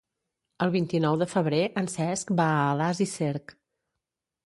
El vint-i-nou de febrer en Cesc va a Alàs i Cerc.